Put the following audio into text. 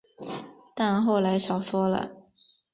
但后来少说了